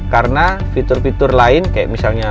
karena fitur fitur lain kayak misalnya